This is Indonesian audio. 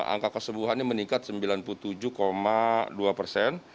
angka kesembuhannya meningkat sembilan puluh tujuh dua persen